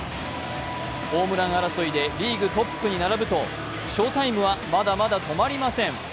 ホームラン王争いでリーグトップに並ぶと翔タイムはまだまだ止まりません。